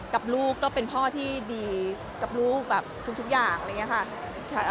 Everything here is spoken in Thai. กับลูกก็เป็นพ่อที่ดีกับลูกแบบทุกอย่างอะไรอย่างนี้ค่ะ